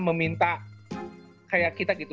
meminta kayak kita gitu